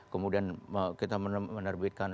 kemudian kita menerbitkan